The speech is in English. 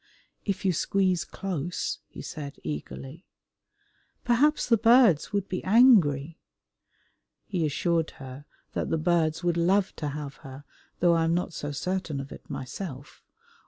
"If you squeeze close," he said eagerly. "Perhaps the birds would be angry?" He assured her that the birds would love to have her, though I am not so certain of it myself.